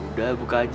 udah buka aja